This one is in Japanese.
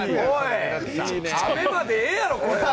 ＡＢＥＭＡでええやろこれは。